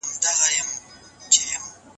دا زېړ ګیلاس د چا دی؟